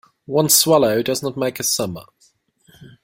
One swallow does not make a summer.